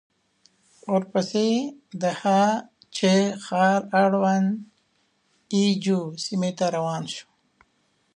ورپسې د هه چه ښار اړوند اي جو سيمې ته روان شوو.